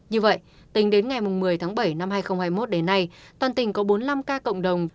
như vậy tính đến ngày một mươi bảy hai nghìn hai mươi một đến nay toàn tỉnh có bốn mươi năm k cộng đồng